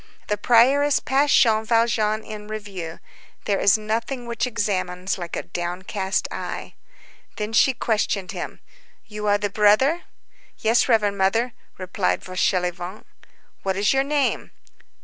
The prioress passed Jean Valjean in review. There is nothing which examines like a downcast eye. Then she questioned him:— "You are the brother?" "Yes, reverend Mother," replied Fauchelevent. "What is your name?"